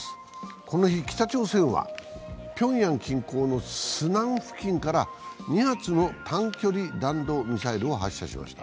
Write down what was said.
この日、北朝鮮はピョンヤン近郊のスナン付近から２発の短距離弾道ミサイルを発射しました。